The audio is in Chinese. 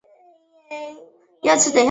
胡麻黄耆为豆科黄芪属的植物。